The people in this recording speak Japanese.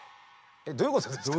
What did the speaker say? どういうことですか？